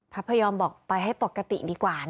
พระพยอมบอกไปให้ปกติดีกว่า